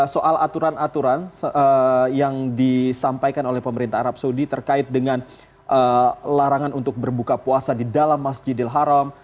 soal aturan aturan yang disampaikan oleh pemerintah arab saudi terkait dengan larangan untuk berbuka puasa di dalam masjidil haram